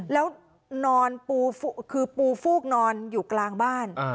แล้วนอนปูคือปูฟูกนอนอยู่กลางบ้าน